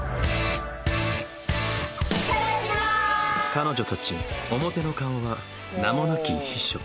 彼女たちの表の顔は名もなき秘書。